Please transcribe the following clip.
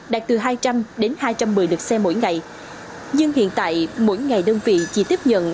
đạt từ hai trăm linh đến hai trăm một mươi lực xe mỗi ngày nhưng hiện tại mỗi ngày đơn vị chỉ tiếp nhận